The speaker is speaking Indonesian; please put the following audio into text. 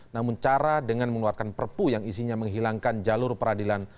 namun cara dengan mengeluarkan perpu yang isinya menghilangkan jalur peradilan